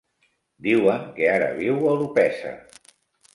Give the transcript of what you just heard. Diuen que ara viu a Orpesa.